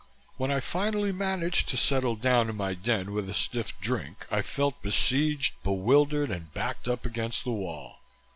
When I finally managed to settle down in my den with a stiff drink I felt besieged, bewildered and backed up against the wall.